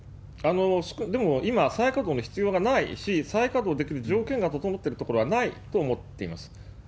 でも、今、再稼働の必要がないし、再稼働できる条件が整ってる所はないと思っています。